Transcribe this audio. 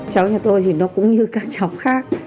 cháu nhà tôi thì nó cũng như các cháu khác